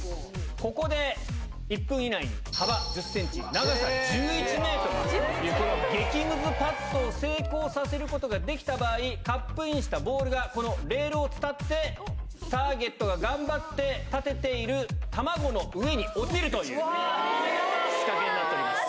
ここで１分以内に幅１０センチ、長さ１１メートルというこの激むずパットを成功させることができた場合、カップインしたボールが、このレールを伝って、ターゲットが頑張って立てている卵の上に落ちるという仕掛けにな